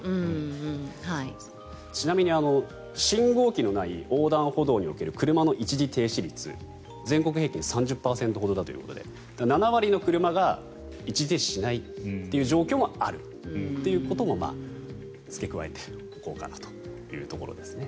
ちなみに信号機のない横断歩道における車の一時停止率全国平均３０％ほどだということで７割の車が一時停止しないという状況もあるということも付け加えておこうかなというところですね。